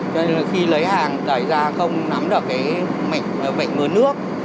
cho nên là khi lấy hàng tải ra không nắm được cái mảnh vệnh mướn nước